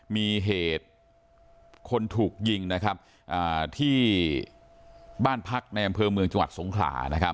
มีเหตุคนถูกยิงนะครับที่บ้านพักในบนบรรเผิงจังหวัดสงขรา